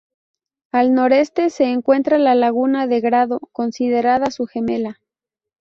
Al noreste se encuentra la Laguna de Grado, considerada su gemela.